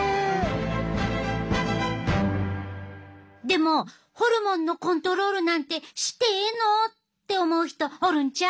でもホルモンのコントロールなんてしてええの？って思う人おるんちゃう？